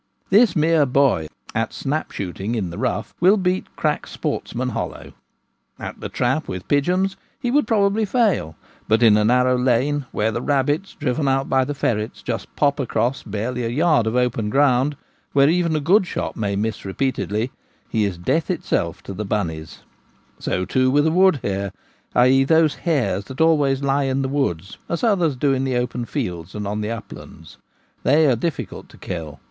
This mere boy at snap shooting in the * rough' will beat crack sportsmen hollow. At the trap with pigeons he would probably fail ; but in a narrow lane where the rabbits, driven out by the fer rets, just pop across barely a yard of open ground, where even a good shot may miss repeatedly, he is 4 death ' itself to the 'bunnies/ So, too, with a wood hare — i.e. those hares that always lie in the woods as others do in the open fields and on the uplands. They are difficult to kill.